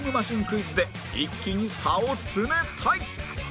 クイズで一気に差を詰めたい！